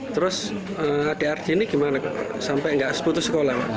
terus di ardini gimana sampai gak seputus sekolah